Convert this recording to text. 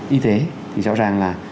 y tế thì rõ ràng là